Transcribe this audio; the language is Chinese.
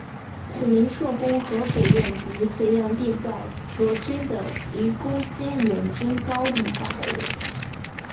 此临朔宫和北苑即隋炀帝在涿郡的离宫兼远征高丽大本营。